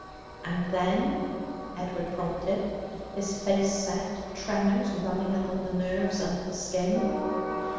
'And then?' Edward prompted, his face set, tremors running along the nerves under the skin.